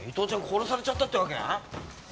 殺されちゃったってわけ？